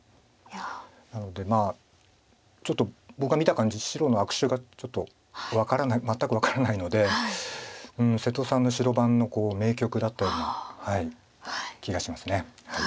なのでまあちょっと僕が見た感じ白の悪手がちょっと全く分からないので瀬戸さんの白番の名局だったような気がします。